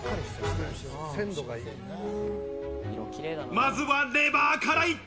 まずはレバーからいった！